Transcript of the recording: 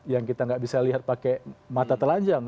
yang kita nggak bisa lihat pakai mata telanjang